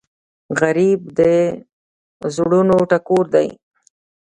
غریب د زړونو ټکور دی